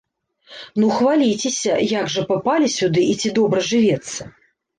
Ну, хваліцеся, як жа папалі сюды і ці добра жывецца?